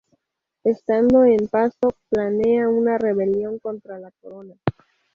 Estando en Pasto, planea una rebelión contra la corona.